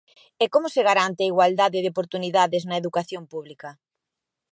¿E como se garante a igualdade de oportunidades na educación pública?